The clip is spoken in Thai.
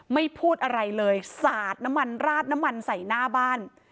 พูดอะไรเลยสาดน้ำมันราดน้ำมันใส่หน้าบ้าน